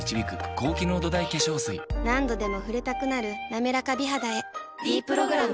何度でも触れたくなる「なめらか美肌」へ「ｄプログラム」